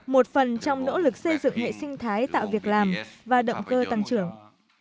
một phần trong nỗ lực xây dựng hệ sinh thái tạo việc làm và động cơ tăng trưởng